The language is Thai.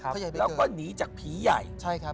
แล้วก็หนีจากผีใหญ่